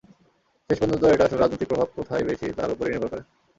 শেষ পর্যন্ত এটা আসলে রাজনৈতিক প্রভাব কোথায় বেশি তার ওপরই নির্ভর করে।